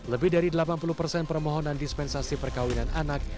lebih dari delapan puluh persen permohonan dispensasi perkawinan anak